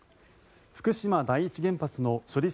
福島第一原発の処理